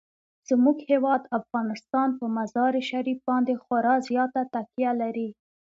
زموږ هیواد افغانستان په مزارشریف باندې خورا زیاته تکیه لري.